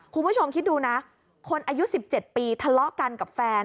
คุณผู้ชมคิดดูนะคนอายุ๑๗ปีทะเลาะกันกับแฟน